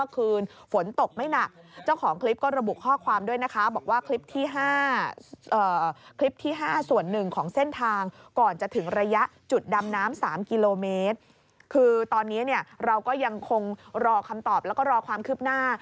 คือตอนนี้เราก็ยังคงรอคำตอบแล้วก็รอความคืบหน้า